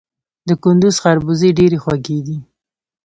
د کندز خربوزې ډیرې خوږې دي